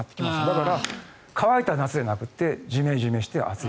だから、乾いた夏でなくてジメジメして暑い。